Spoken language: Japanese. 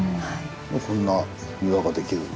こんな庭が出来る。